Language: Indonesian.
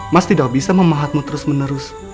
mas tidak bisa memahatmu terus menerus